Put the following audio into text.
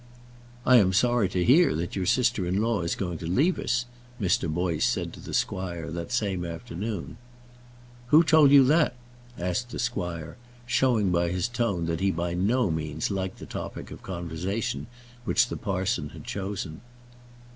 "I am sorry to hear that your sister in law is going to leave us," Mr. Boyce said to the squire that same afternoon. "Who told you that?" asked the squire, showing by his tone that he by no means liked the topic of conversation which the parson had chosen.